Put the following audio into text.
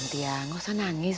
kurasa aku buka cv tak dikeboleh